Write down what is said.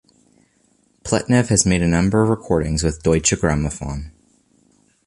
Pletnev has made a number of recordings with Deutsche Grammophon.